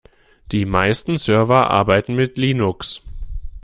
Die meisten Server arbeiten mit Linux.